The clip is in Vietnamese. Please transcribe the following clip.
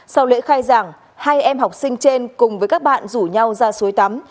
sau lễ khai giảng hai em học sinh trên cùng với các bạn rủ nhau ra suối tắm